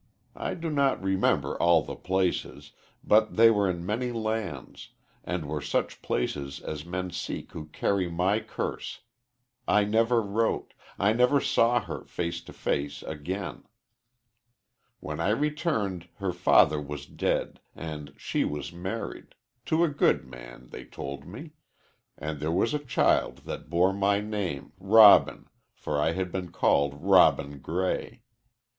I do not remember all the places, but they were in many lands, and were such places as men seek who carry my curse. I never wrote I never saw her, face to face, again. "When I returned her father was dead, and she was married to a good man, they told me and there was a child that bore my name, Robin, for I had been called Robin Gray.